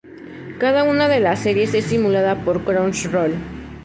Cada una de las series es simulada por Crunchyroll.